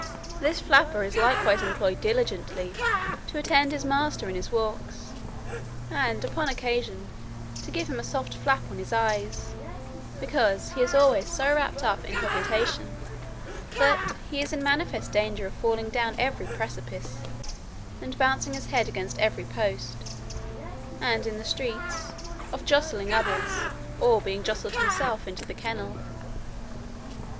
This flapper is likewise employed diligently to attend his master in his walks, and upon occasion to give him a soft flap on his eyes; because he is always so wrapped up in cogitation, that he is in manifest danger of falling down every precipice, and bouncing his head against every post; and in the streets, of justling others, or being justled himself into the kennel.